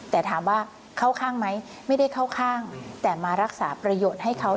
แต่ถามว่าเข้าข้างไหมไม่ได้เข้าข้างแต่มารักษาประโยชน์ให้เขา